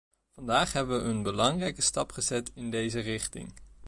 Vandaag hebben we een belangrijke stap gezet in deze richting.